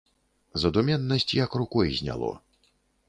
Задуменнасць як рукой зняло.